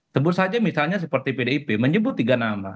sebut saja misalnya seperti pdip menyebut tiga nama